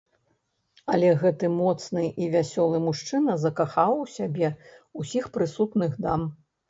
Але гэты моцны і вясёлы мужчына закахаў у сябе ўсіх прысутных дам.